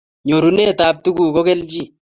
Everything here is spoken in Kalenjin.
Nyurunet ab tuguk kokelchin